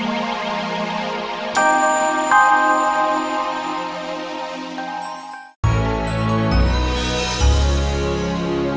ya kalau lagi miga berarti nggak ngerti